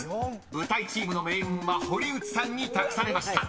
［舞台チームの命運は堀内さんに託されました］